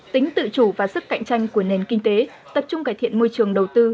tính tự chủ và sức cạnh tranh của nền kinh tế tập trung cải thiện môi trường đầu tư